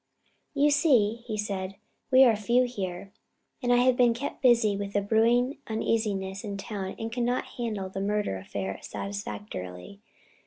"You see," he said, "we are few here, and I have been kept busy with the brewing uneasiness in town and cannot handle the murder affair satisfactorily.